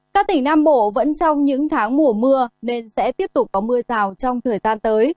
các tỉnh nam bộ vẫn trong những tháng mùa mưa nên sẽ tiếp tục có mưa rào trong thời gian tới